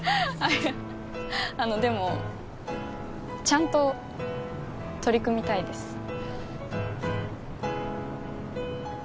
あっいやあのでもちゃんと取り組みたいです